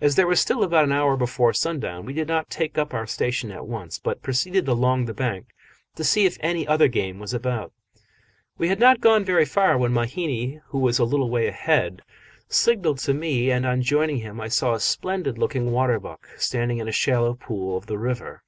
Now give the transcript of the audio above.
As there was still about an hour before sundown, we did not take up our station at once, but proceeded along the bank to see if any other game was about. We had not gone very far when Mahina, who was a little way ahead, signalled to me, and on joining him I saw a splendid looking water buck standing in a shallow pool of the river.